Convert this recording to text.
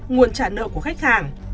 nguồn trả nợ của khách hàng